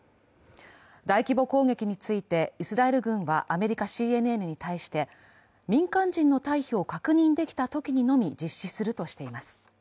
大規模攻撃についてイスラエル軍はアメリカＣＮＮに対して、民間人の退避を確認できたときにのみ実施するとしています。